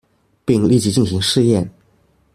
並立即進行試驗